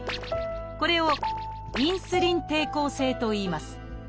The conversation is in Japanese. これを「インスリン抵抗性」といいます。